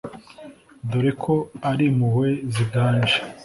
Dore ko ari impuhwe ziganje